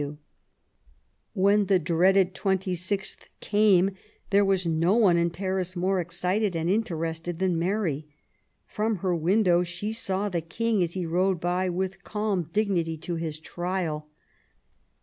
W. When the dreaded 26th came^ there was no one in Paris more excited and interested than Mary. From her window she saw the King as he rode by with calm dignity to Ms trial.